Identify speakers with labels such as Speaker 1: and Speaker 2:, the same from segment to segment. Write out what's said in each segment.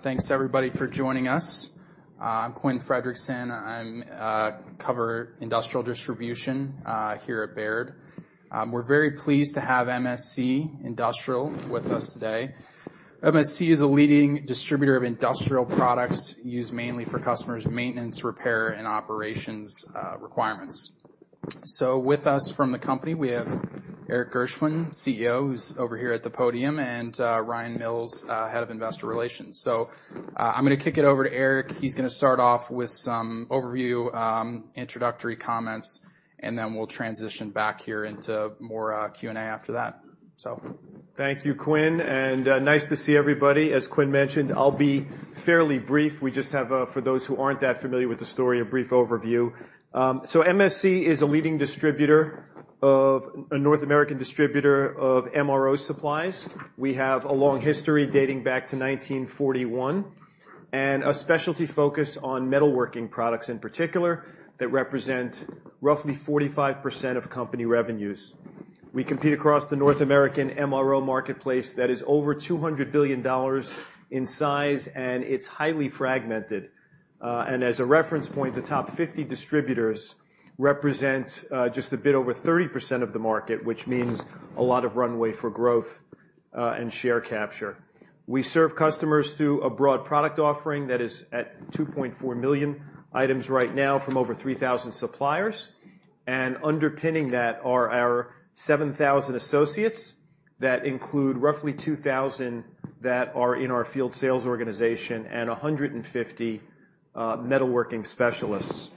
Speaker 1: Thanks, everybody, for joining us. I'm Quinn Fredrickson. I cover industrial distribution here at Baird. We're very pleased to have MSC Industrial with us today. MSC is a leading distributor of industrial products used mainly for customers' maintenance, repair, and operations requirements. With us from the company, we have Erik Gershwind, CEO, who's over here at the podium, and Ryan Mills, Head of Investor Relations. I'm gonna kick it over to Erik. He's gonna start off with some overview introductory comments, and then we'll transition back here into more Q&A after that. So-
Speaker 2: Thank you, Quinn, and nice to see everybody. As Quinn mentioned, I'll be fairly brief. We just have, for those who aren't that familiar with the story, a brief overview. So MSC is a leading North American distributor of MRO supplies. We have a long history dating back to 1941, and a specialty focus on metalworking products in particular, that represent roughly 45% of company revenues. We compete across the North American MRO marketplace that is over $200 billion in size, and it's highly fragmented. And as a reference point, the top 50 distributors represent just a bit over 30% of the market, which means a lot of runway for growth, and share capture. We serve customers through a broad product offering that is at 2.4 million items right now from over 3,000 suppliers. And underpinning that are our 7,000 associates, that include roughly 2,000 that are in our field sales organization and 150 metalworking specialists.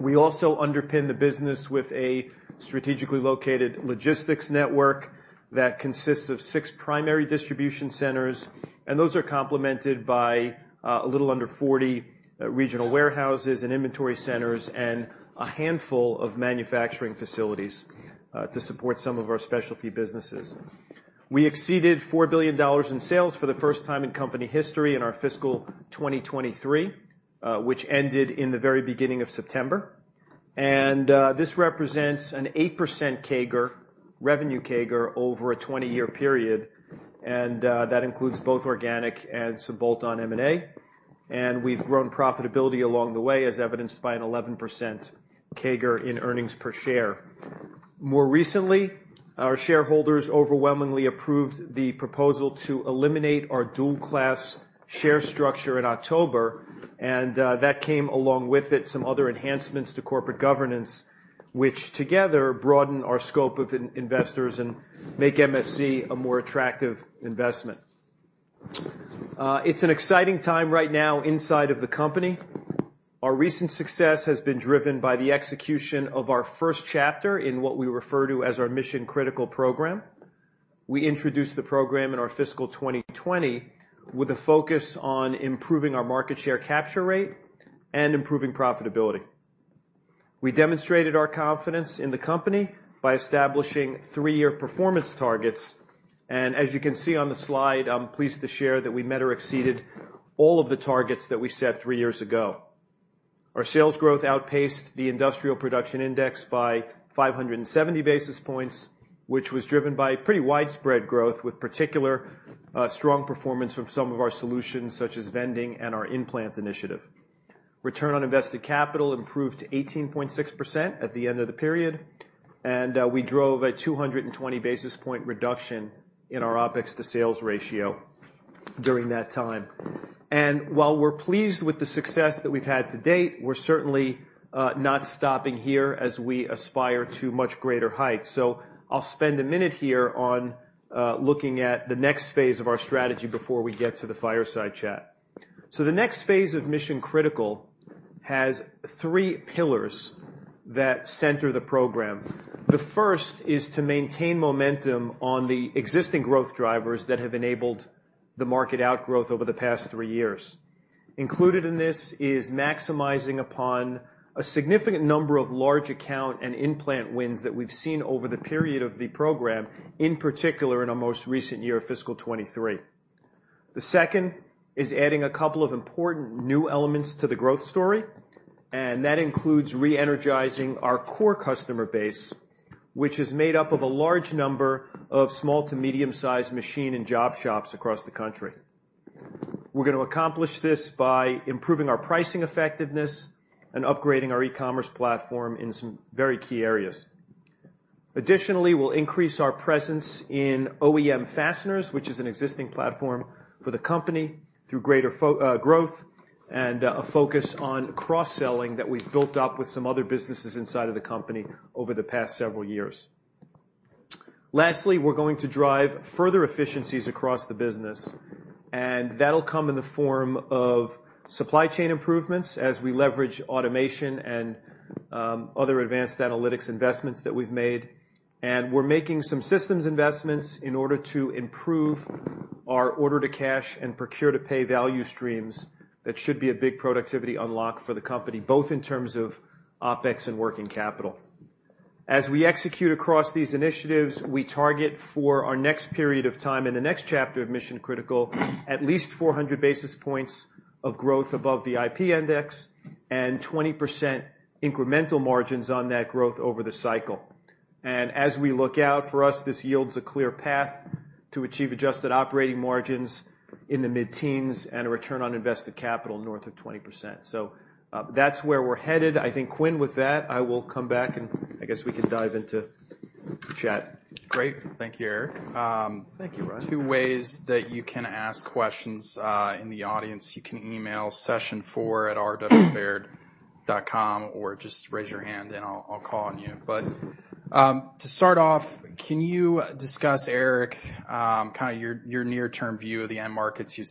Speaker 2: We also underpin the business with a strategically located logistics network that consists of six primary distribution centers, and those are complemented by a little under 40 regional warehouses and inventory centers, and a handful of manufacturing facilities to support some of our specialty businesses. We exceeded $4 billion in sales for the first time in company history in our fiscal 2023, which ended in the very beginning of September. And this represents an 8% CAGR, revenue CAGR, over a 20-year period, and that includes both organic and some bolt-on M&A. We've grown profitability along the way, as evidenced by an 11% CAGR in earnings per share. More recently, our shareholders overwhelmingly approved the proposal to eliminate our dual-class share structure in October, and that came along with it some other enhancements to corporate governance, which together broaden our scope of investors and make MSC a more attractive investment. It's an exciting time right now inside of the company. Our recent success has been driven by the execution of our first chapter in what we refer to as our Mission Critical program. We introduced the program in our fiscal 2020, with a focus on improving our market share capture rate and improving profitability. We demonstrated our confidence in the company by establishing three-year performance targets, and as you can see on the slide, I'm pleased to share that we met or exceeded all of the targets that we set three years ago. Our sales growth outpaced the Industrial Production Index by 570 basis points, which was driven by pretty widespread growth, with particular, strong performance from some of our solutions, such as vending and our in-plant initiative. Return on invested capital improved to 18.6% at the end of the period, and, we drove a 220 basis point reduction in our OpEx to sales ratio during that time. And while we're pleased with the success that we've had to date, we're certainly, not stopping here as we aspire to much greater heights. So I'll spend a minute here on looking at the next phase of our strategy before we get to the fireside chat. So the next phase of Mission Critical has three pillars that center the program. The first is to maintain momentum on the existing growth drivers that have enabled the market outgrowth over the past three years. Included in this is maximizing upon a significant number of large account and in-plant wins that we've seen over the period of the program, in particular, in our most recent year of fiscal 2023. The second is adding a couple of important new elements to the growth story, and that includes re-energizing our core customer base, which is made up of a large number of small to medium-sized machine and job shops across the country. We're going to accomplish this by improving our pricing effectiveness and upgrading our e-commerce platform in some very key areas. Additionally, we'll increase our presence in OEM fasteners, which is an existing platform for the company, through greater growth and a focus on cross-selling that we've built up with some other businesses inside of the company over the past several years. Lastly, we're going to drive further efficiencies across the business, and that'll come in the form of supply chain improvements as we leverage automation and other advanced analytics investments that we've made. We're making some systems investments in order to improve our Order to Cash and Procure to Pay value streams. That should be a big productivity unlock for the company, both in terms of OpEx and working capital. As we execute across these initiatives, we target for our next period of time in the next chapter of Mission Critical, at least 400 basis points of growth above the IP Index and 20% incremental margins on that growth over the cycle. As we look out, for us, this yields a clear path to achieve adjusted operating margins in the mid-teens and a return on invested capital north of 20%. That's where we're headed. I think, Quinn, with that, I will come back, and I guess we can dive into chat.
Speaker 1: Great. Thank you, Erik.
Speaker 2: Thank you, Quinn.
Speaker 1: Two ways that you can ask questions in the audience: you can email sessionfour@rwbaird.com, or just raise your hand, and I'll call on you. But to start off, can you discuss, Erik, kinda your near-term view of the end markets you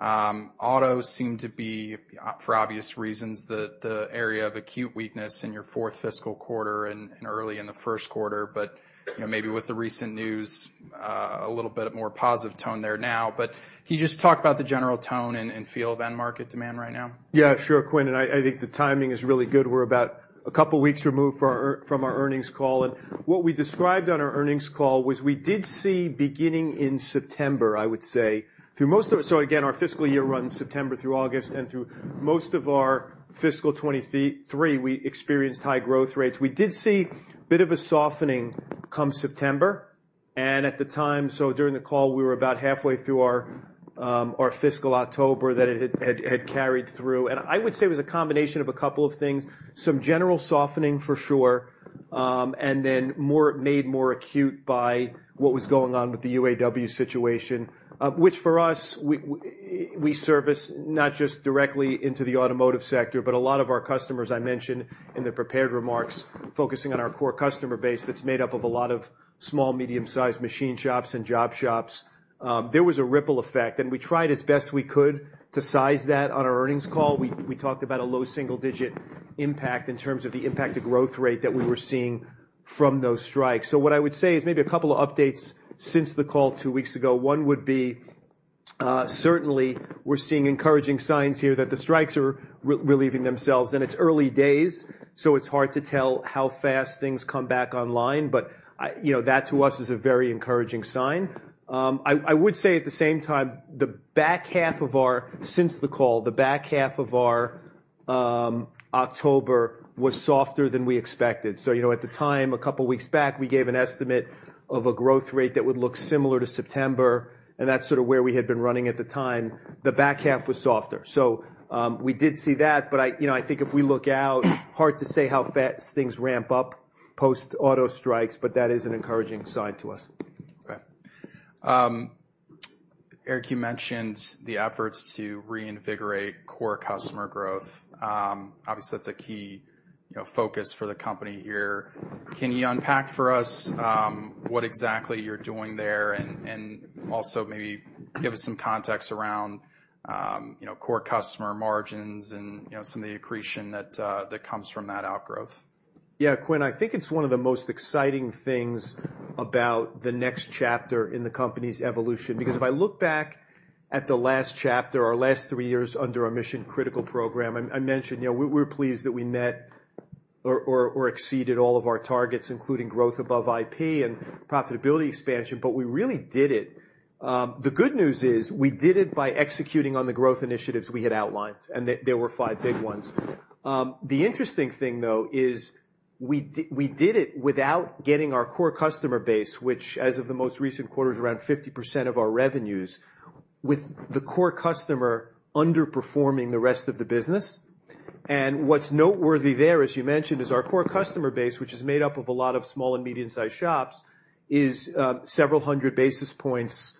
Speaker 1: serve? Auto seemed to be, for obvious reasons, the area of acute weakness in your fourth fiscal quarter and early in the first quarter. But you know, maybe with the recent news, a little bit more positive tone there now. But can you just talk about the general tone and feel of end market demand right now?
Speaker 2: Yeah, sure, Quinn. I think the timing is really good. We're about a couple weeks removed from our earnings call. What we described on our earnings call was we did see, beginning in September, I would say, through most of it. So again, our fiscal year runs September through August, and through most of our fiscal 2023, we experienced high growth rates. We did see a bit of a softening come September, and at the time, so during the call, we were about halfway through our fiscal October that it had carried through. I would say it was a combination of a couple of things. Some general softening, for sure, and then made more acute by what was going on with the UAW situation. Which for us, we service not just directly into the automotive sector, but a lot of our customers, I mentioned in the prepared remarks, focusing on our core customer base that's made up of a lot of small, medium-sized machine shops and job shops. There was a ripple effect, and we tried as best we could to size that on our earnings call. We talked about a low single-digit impact in terms of the impact to growth rate that we were seeing from those strikes. So what I would say is maybe a couple of updates since the call two weeks ago. One would be, certainly, we're seeing encouraging signs here that the strikes are relieving themselves. And it's early days, so it's hard to tell how fast things come back online, but I... You know, that, to us, is a very encouraging sign. I would say at the same time, since the call, the back half of our October was softer than we expected. So, you know, at the time, a couple weeks back, we gave an estimate of a growth rate that would look similar to September, and that's sort of where we had been running at the time. The back half was softer. So, we did see that, but, you know, I think if we look out, hard to say how fast things ramp up post-auto strikes, but that is an encouraging sign to us.
Speaker 1: Okay. Erik, you mentioned the efforts to reinvigorate core customer growth. Obviously, that's a key, you know, focus for the company here. Can you unpack for us, what exactly you're doing there, and, and also maybe give us some context around, you know, core customer margins and, you know, some of the accretion that, that comes from that outgrowth?
Speaker 2: Yeah, Quinn, I think it's one of the most exciting things about the next chapter in the company's evolution. Because if I look back at the last chapter, our last three years under our Mission Critical program, I mentioned, you know, we're pleased that we met or exceeded all of our targets, including growth above IP and profitability expansion, but we really did it. The good news is, we did it by executing on the growth initiatives we had outlined, and there were five big ones. The interesting thing, though, is we did it without getting our core customer base, which, as of the most recent quarter, is around 50% of our revenues, with the core customer underperforming the rest of the business. What's noteworthy there, as you mentioned, is our core customer base, which is made up of a lot of small and medium-sized shops, is several hundred basis points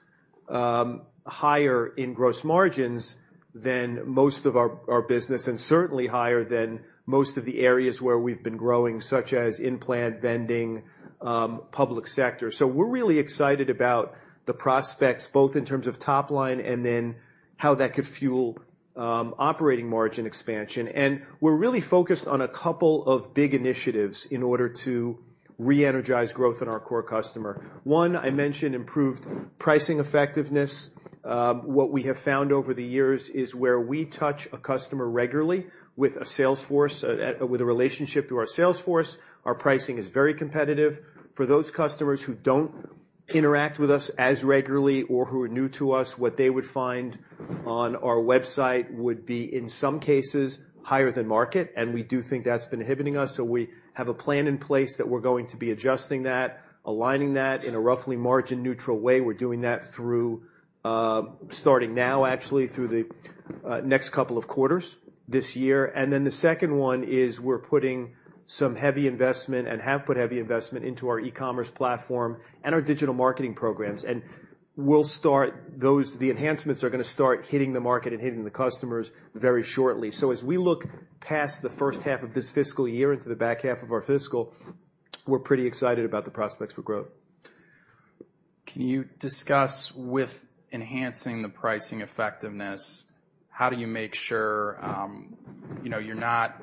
Speaker 2: higher in gross margins than most of our business, and certainly higher than most of the areas where we've been growing, such as in-plant vending, public sector. So we're really excited about the prospects, both in terms of top line and then how that could fuel operating margin expansion. And we're really focused on a couple of big initiatives in order to re-energize growth in our core customer. One, I mentioned improved pricing effectiveness. What we have found over the years is where we touch a customer regularly with a sales force with a relationship through our sales force, our pricing is very competitive. For those customers who don't interact with us as regularly or who are new to us, what they would find on our website would be, in some cases, higher than market, and we do think that's been inhibiting us. So we have a plan in place that we're going to be adjusting that, aligning that in a roughly margin-neutral way. We're doing that through, starting now, actually, through the next couple of quarters this year. And then the second one is we're putting some heavy investment, and have put heavy investment into our e-commerce platform and our digital marketing programs. And the enhancements are gonna start hitting the market and hitting the customers very shortly. So as we look past the first half of this fiscal year into the back half of our fiscal, we're pretty excited about the prospects for growth.
Speaker 1: Can you discuss, with enhancing the pricing effectiveness, how do you make sure, you know, you're not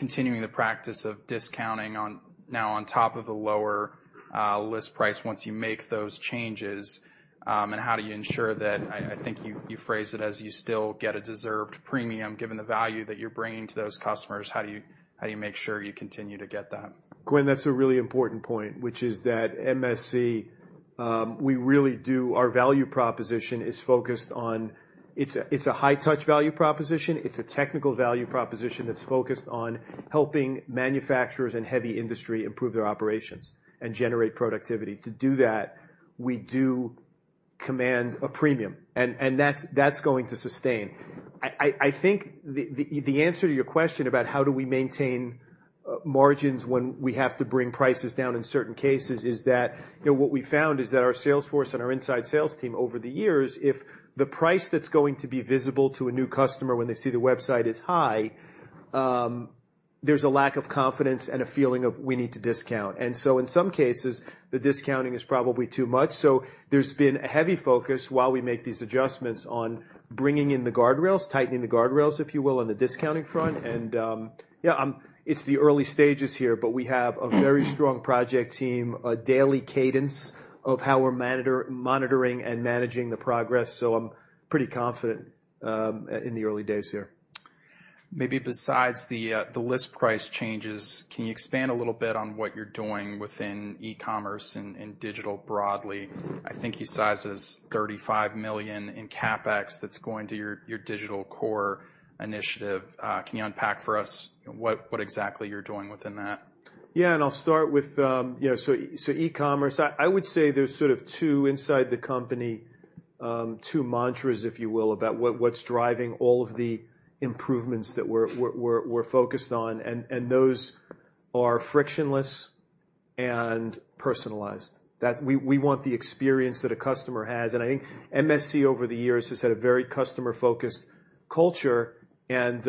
Speaker 1: continuing the practice of discounting on, now on top of the lower, list price once you make those changes? And how do you ensure that, I, I think you, you phrased it as you still get a deserved premium, given the value that you're bringing to those customers. How do you, how do you make sure you continue to get that?
Speaker 2: Quinn, that's a really important point, which is that MSC, we really do... Our value proposition is focused on— It's a, it's a high-touch value proposition. It's a technical value proposition that's focused on helping manufacturers and heavy industry improve their operations and generate productivity. To do that, we command a premium, and, and that's, that's going to sustain. I, I, I think the, the, the answer to your question about how do we maintain, margins when we have to bring prices down in certain cases, is that, you know, what we found is that our sales force and our inside sales team over the years, if the price that's going to be visible to a new customer when they see the website is high, there's a lack of confidence and a feeling of we need to discount. And so in some cases, the discounting is probably too much. So there's been a heavy focus while we make these adjustments on bringing in the guardrails, tightening the guardrails, if you will, on the discounting front. And, yeah, it's the early stages here, but we have a very strong project team, a daily cadence of how we're monitoring and managing the progress, so I'm pretty confident in the early days here.
Speaker 1: Maybe besides the list price changes, can you expand a little bit on what you're doing within e-commerce and digital broadly? I think you sizes $35 million in CapEx that's going to your digital core initiative. Can you unpack for us what exactly you're doing within that?
Speaker 2: Yeah, and I'll start with. Yeah, so e-commerce, I would say there's sort of two inside the company, two mantras, if you will, about what's driving all of the improvements that we're focused on, and those are frictionless and personalized. That's - we want the experience that a customer has, and I think MSC, over the years, has had a very customer-focused culture, and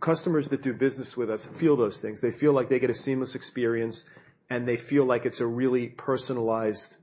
Speaker 2: customers that do business with us feel those things. They feel like they get a seamless experience, and they feel like it's a really personalized,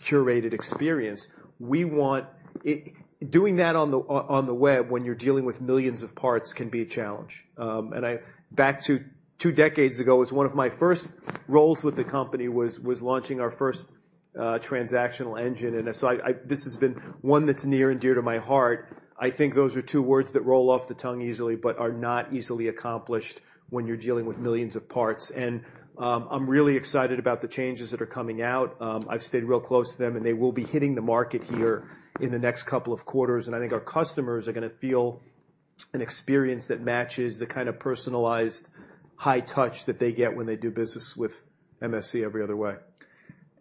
Speaker 2: curated experience. We want it - doing that on the web, when you're dealing with millions of parts, can be a challenge. and I back to two decades ago, was one of my first roles with the company, was launching our first transactional engine, and so this has been one that's near and dear to my heart. I think those are two words that roll off the tongue easily, but are not easily accomplished when you're dealing with millions of parts. And, I'm really excited about the changes that are coming out. I've stayed real close to them, and they will be hitting the market here in the next couple of quarters, and I think our customers are gonna feel an experience that matches the kind of personalized high touch that they get when they do business with MSC every other way.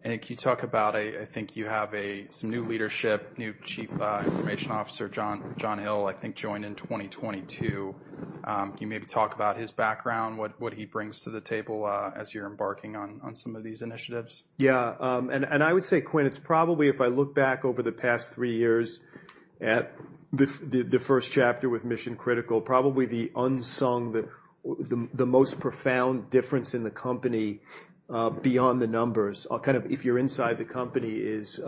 Speaker 1: Can you talk about, I think you have some new leadership, new chief information officer, John Hill, I think, joined in 2022. Can you maybe talk about his background, what he brings to the table, as you're embarking on some of these initiatives?
Speaker 2: Yeah, and I would say, Quinn, it's probably, if I look back over the past three years at the first chapter with Mission Critical, probably the unsung, the most profound difference in the company, beyond the numbers, kind of, if you're inside the company, is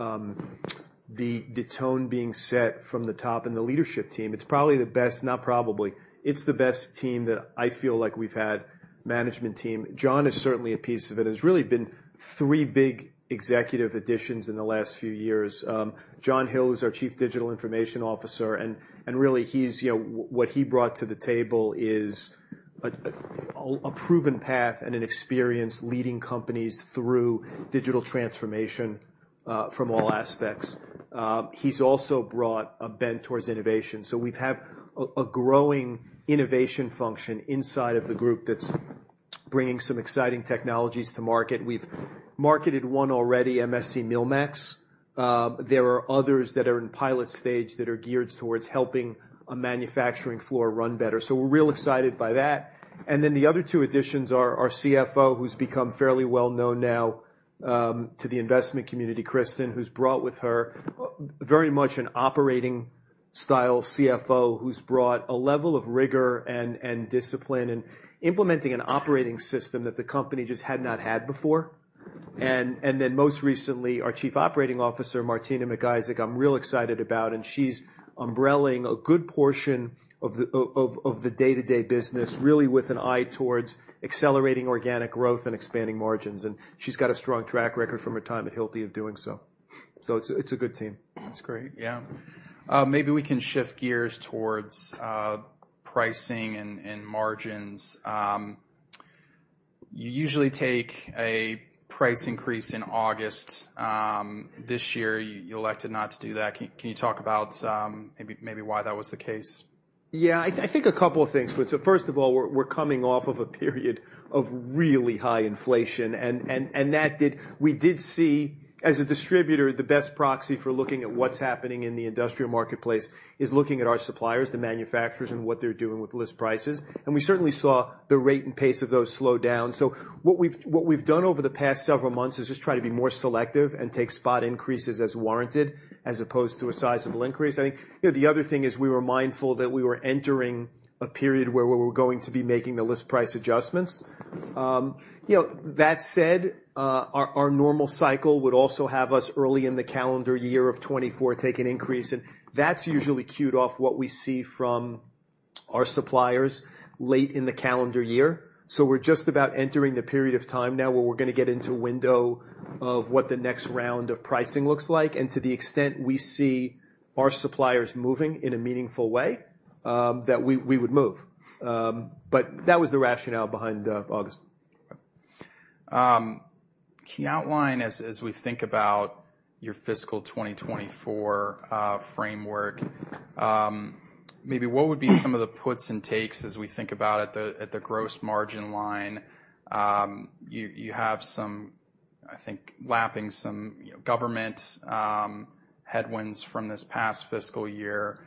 Speaker 2: the tone being set from the top, and the leadership team. It's probably the best... Not probably, it's the best team that I feel like we've had, management team. John is certainly a piece of it. It's really been three big executive additions in the last few years. John Hill, who's our Chief Digital Information Officer, and really he's, you know, what he brought to the table is a proven path and an experience leading companies through digital transformation, from all aspects. He's also brought a bent towards innovation, so we have a growing innovation function inside of the group that's bringing some exciting technologies to market. We've marketed one already, MSC MillMax. There are others that are in pilot stage that are geared towards helping a manufacturing floor run better, so we're real excited by that. And then the other two additions are our CFO, who's become fairly well known now to the investment community, Kristen, who's brought with her very much an operating style CFO, who's brought a level of rigor and discipline, and implementing an operating system that the company just had not had before. And then most recently, our Chief Operating Officer, Martina McIsaac, I'm real excited about, and she's umbrelling a good portion of the of the day-to-day business, really with an eye towards accelerating organic growth and expanding margins, and she's got a strong track record from her time at Hilti of doing so. So it's a good team.
Speaker 1: That's great. Yeah. Maybe we can shift gears towards pricing and margins. You usually take a price increase in August. This year, you elected not to do that. Can you talk about maybe why that was the case?
Speaker 2: Yeah, I think a couple of things, Quinn. So first of all, we're coming off of a period of really high inflation, and that we did see, as a distributor, the best proxy for looking at what's happening in the industrial marketplace is looking at our suppliers, the manufacturers, and what they're doing with list prices. And we certainly saw the rate and pace of those slow down. So what we've done over the past several months is just try to be more selective and take spot increases as warranted, as opposed to a sizable increase. I think, you know, the other thing is we were mindful that we were entering a period where we were going to be making the list price adjustments. You know, that said, our normal cycle would also have us, early in the calendar year of 2024, take an increase, and that's usually cued off what we see from our suppliers late in the calendar year. So we're just about entering the period of time now, where we're gonna get into a window of what the next round of pricing looks like, and to the extent we see our suppliers moving in a meaningful way, that we would move. But that was the rationale behind August.
Speaker 1: Can you outline, as we think about your fiscal 2024 framework, maybe what would be some of the puts and takes as we think about the gross margin line? You have some, I think, lapping some government headwinds from this past fiscal year.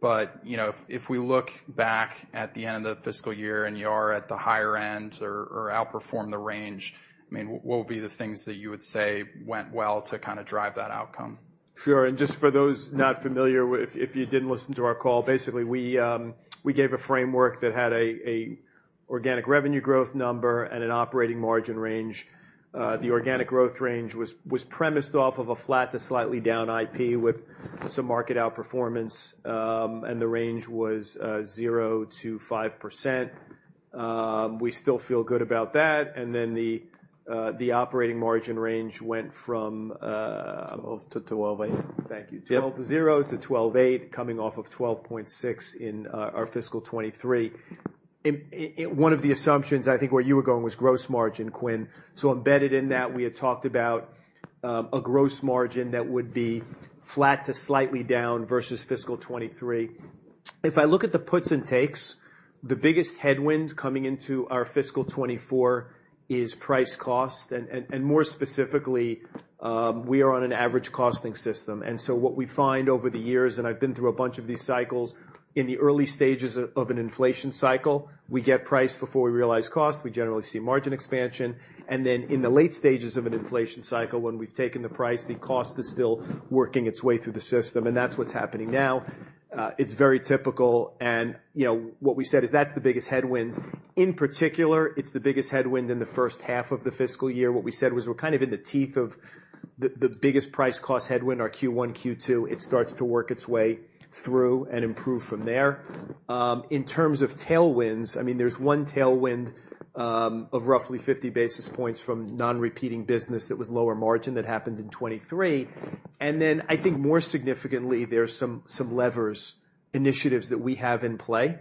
Speaker 1: But, you know, if we look back at the end of the fiscal year and you are at the higher end or outperform the range, I mean, what would be the things that you would say went well to kind of drive that outcome?
Speaker 2: Sure. And just for those not familiar with, if you didn't listen to our call, basically, we gave a framework that had an organic revenue growth number and an operating margin range. The organic growth range was premised off of a flat to slightly down IP with some market outperformance, and the range was 0%-5%. We still feel good about that. And then the operating margin range went from-
Speaker 1: 12%-12.8%.
Speaker 2: Thank you.
Speaker 1: Yep.
Speaker 2: 12.0%-12.8%, coming off of 12.6% in our fiscal 2023. In one of the assumptions, I think, where you were going was gross margin, Quinn. So embedded in that, we had talked about a gross margin that would be flat to slightly down versus fiscal 2023. If I look at the puts and takes, the biggest headwind coming into our fiscal 2024 is price cost, and more specifically, we are on an average costing system. And so what we find over the years, and I've been through a bunch of these cycles, in the early stages of an inflation cycle, we get price before we realize cost. We generally see margin expansion, and then in the late stages of an inflation cycle, when we've taken the price, the cost is still working its way through the system, and that's what's happening now. It's very typical, and, you know, what we said is that's the biggest headwind. In particular, it's the biggest headwind in the first half of the fiscal year. What we said was, we're kind of in the teeth of the biggest price cost headwind are Q1, Q2. It starts to work its way through and improve from there. In terms of tailwinds, I mean, there's one tailwind of roughly 50 basis points from non-repeating business that was lower margin that happened in 2023. I think more significantly, there are some levers, initiatives that we have in play,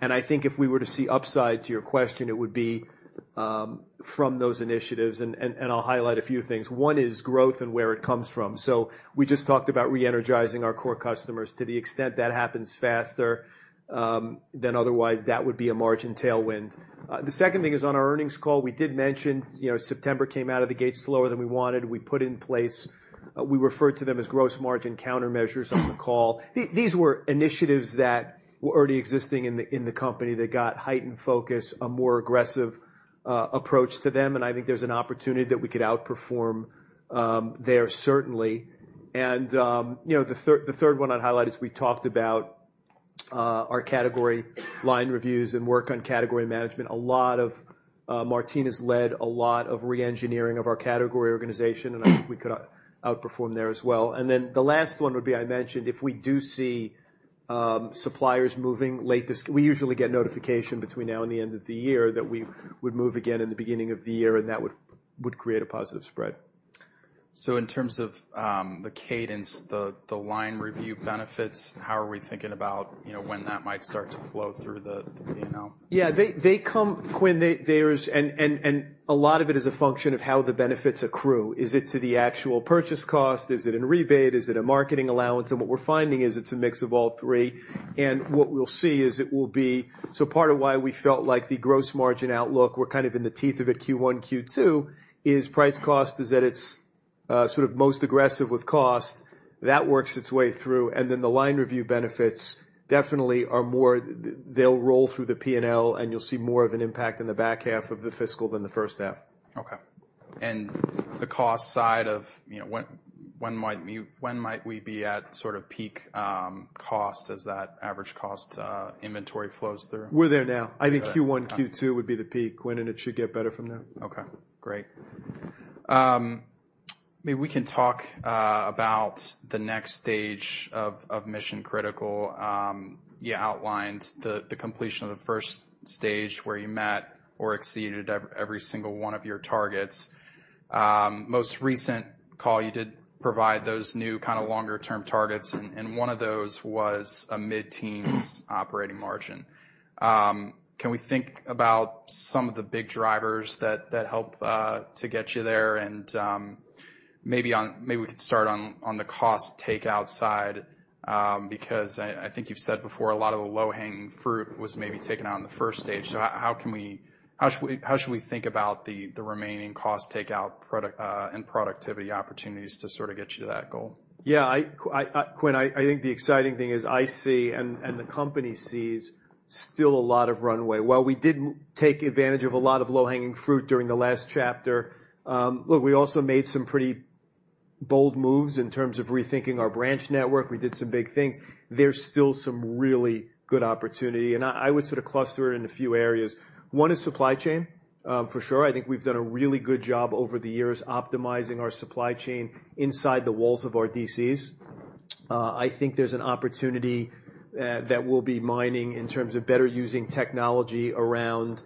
Speaker 2: and I think if we were to see upside, to your question, it would be from those initiatives, and I'll highlight a few things. One is growth and where it comes from. So we just talked about reenergizing our core customers. To the extent that happens faster than otherwise, that would be a margin tailwind. The second thing is on our earnings call, we did mention, you know, September came out of the gates slower than we wanted. We put in place, we referred to them as gross margin countermeasures on the call. These were initiatives that were already existing in the company that got heightened focus, a more aggressive approach to them, and I think there's an opportunity that we could outperform there, certainly. And, you know, the third one I'd highlight is we talked about our category line reviews and work on category management. A lot of Martina has led a lot of reengineering of our category organization, and I think we could outperform there as well. And then the last one would be, I mentioned, if we do see suppliers moving late this year, we usually get notification between now and the end of the year that we would move again in the beginning of the year, and that would create a positive spread.
Speaker 1: So in terms of, the cadence, the line review benefits, how are we thinking about, you know, when that might start to flow through the P&L?
Speaker 2: Yeah, they come, Quinn. There's... And a lot of it is a function of how the benefits accrue. Is it to the actual purchase cost? Is it in rebate? Is it a marketing allowance? And what we're finding is it's a mix of all three, and what we'll see is it will be - so part of why we felt like the gross margin outlook, we're kind of in the teeth of it, Q1, Q2, is price cost, is that it's sort of most aggressive with cost. That works its way through, and then the line review benefits definitely are more - they'll roll through the P&L, and you'll see more of an impact in the back half of the fiscal than the first half.
Speaker 1: Okay. And the cost side of, you know, when might we be at sort of peak cost as that average cost inventory flows through?
Speaker 2: We're there now.
Speaker 1: We're there, okay.
Speaker 2: I think Q1, Q2 would be the peak, Quinn, and it should get better from there.
Speaker 1: Okay, great. Maybe we can talk about the next stage of Mission Critical. You outlined the completion of the first stage where you met or exceeded every single one of your targets. Most recent call, you did provide those new kind of longer-term targets, and one of those was a mid-teens operating margin. Can we think about some of the big drivers that help to get you there? Maybe we could start on the cost take out side, because I think you've said before, a lot of the low-hanging fruit was maybe taken out in the first stage. So how should we think about the remaining cost takeout product and productivity opportunities to sort of get you to that goal?
Speaker 2: Yeah, Quinn, I think the exciting thing is I see, and the company sees still a lot of runway. While we did take advantage of a lot of low-hanging fruit during the last chapter, look, we also made some pretty bold moves in terms of rethinking our branch network. We did some big things. There's still some really good opportunity, and I would sort of cluster it in a few areas. One is supply chain. For sure, I think we've done a really good job over the years optimizing our supply chain inside the walls of our DCs. I think there's an opportunity that we'll be mining in terms of better using technology around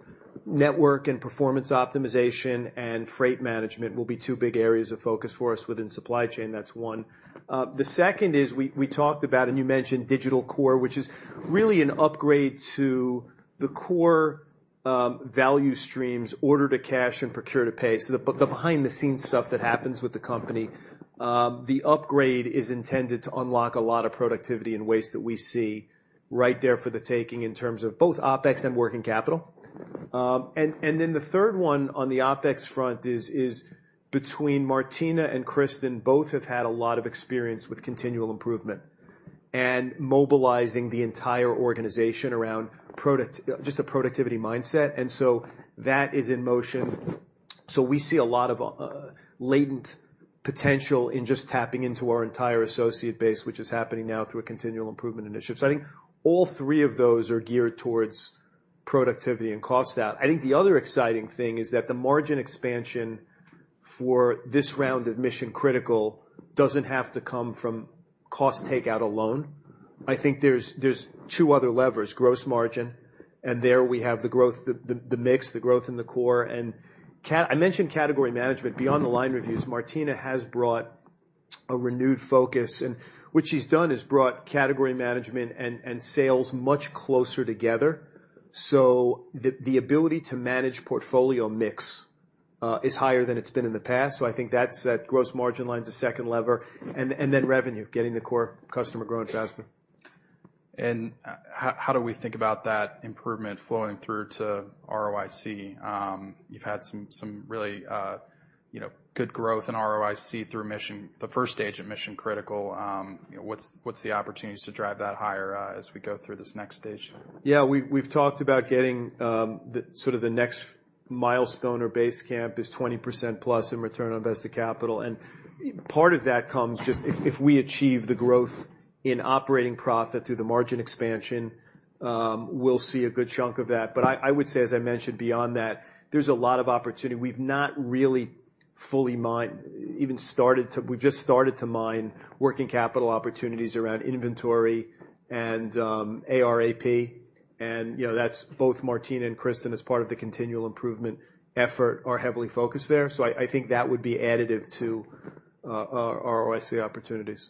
Speaker 2: network and performance optimization, and freight management will be two big areas of focus for us within supply chain. That's one. The second is we talked about, and you mentioned digital core, which is really an upgrade to the core value streams, Order to Cash and Procure to Pay. So the behind-the-scenes stuff that happens with the company, the upgrade is intended to unlock a lot of productivity and waste that we see right there for the taking, in terms of both OpEx and working capital. And then the third one on the OpEx front is between Martina and Kristen. Both have had a lot of experience with continual improvement and mobilizing the entire organization around just a productivity mindset, and so that is in motion. So we see a lot of latent potential in just tapping into our entire associate base, which is happening now through a continual improvement initiative. So I think all three of those are geared towards productivity and cost out. I think the other exciting thing is that the margin expansion for this round of Mission Critical doesn't have to come from cost takeout alone. I think there's two other levers, gross margin, and there we have the growth, the mix, the growth in the core. And I mentioned category management. Beyond the line reviews, Martina has brought a renewed focus, and what she's done is brought category management and sales much closer together. So the ability to manage portfolio mix is higher than it's been in the past. So I think that's, that gross margin line is a second lever, and then revenue, getting the core customer growing faster.
Speaker 1: And how do we think about that improvement flowing through to ROIC? You've had some really, you know, good growth in ROIC through mission... The first stage of Mission Critical. You know, what's the opportunities to drive that higher, as we go through this next stage?
Speaker 2: Yeah, we've talked about getting the sort of the next milestone or base camp is 20%+ in return on invested capital. And part of that comes if we achieve the growth in operating profit through the margin expansion, we'll see a good chunk of that. But I would say, as I mentioned, beyond that, there's a lot of opportunity. We've just started to mine working capital opportunities around inventory and AR/AP, and you know, that's both Martina and Kristen, as part of the continual improvement effort, are heavily focused there. So I think that would be additive to ROIC opportunities.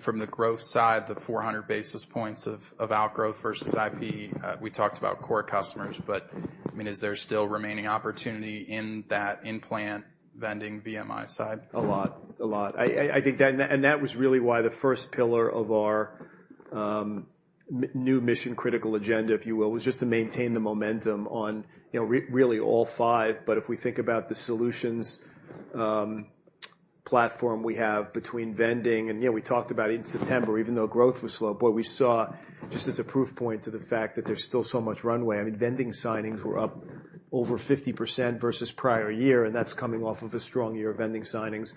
Speaker 1: From the growth side, the 400 basis points of outgrowth versus IP, we talked about core customers, but, I mean, is there still remaining opportunity in that in-plant vending VMI side?
Speaker 2: A lot. A lot. I think that... And that was really why the first pillar of our new Mission Critical agenda, if you will, was just to maintain the momentum on, you know, really all five. But if we think about the solutions platform we have between vending and, you know, we talked about in September, even though growth was slow, but we saw just as a proof point to the fact that there's still so much runway. I mean, vending signings were up over 50% versus prior year, and that's coming off of a strong year of vending signings.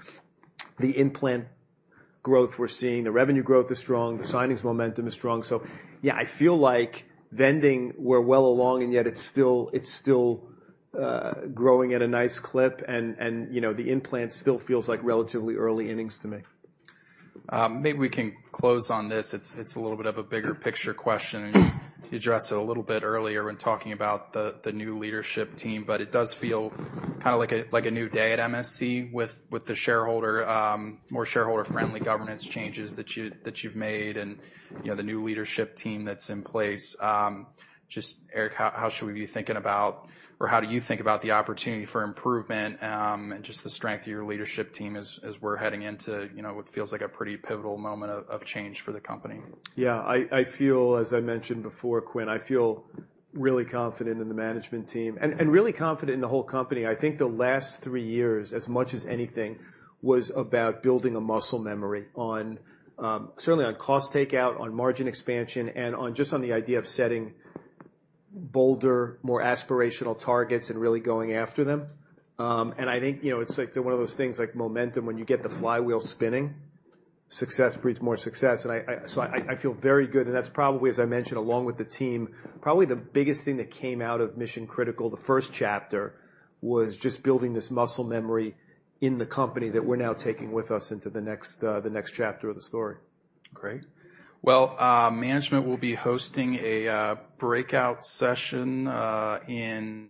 Speaker 2: The in-plant growth we're seeing, the revenue growth is strong, the signings momentum is strong. So yeah, I feel like vending, we're well along, and yet it's still growing at a nice clip, and you know, the in-plant still feels like relatively early innings to me.
Speaker 1: Maybe we can close on this. It's a little bit of a bigger picture question. You addressed it a little bit earlier when talking about the new leadership team, but it does feel kinda like a new day at MSC with the shareholder-friendly governance changes that you've made and, you know, the new leadership team that's in place. Just, Erik, how should we be thinking about or how do you think about the opportunity for improvement, and just the strength of your leadership team as we're heading into, you know, what feels like a pretty pivotal moment of change for the company?
Speaker 2: Yeah, I feel, as I mentioned before, Quinn, I feel really confident in the management team and really confident in the whole company. I think the last three years, as much as anything, was about building a muscle memory on certainly on cost takeout, on margin expansion, and on just on the idea of setting bolder, more aspirational targets and really going after them. And I think, you know, it's like one of those things like momentum, when you get the flywheel spinning, success breeds more success. And I feel very good, and that's probably, as I mentioned, along with the team, probably the biggest thing that came out of Mission Critical, the first chapter, was just building this muscle memory in the company that we're now taking with us into the next chapter of the story.
Speaker 1: Great. Well, management will be hosting a breakout session in-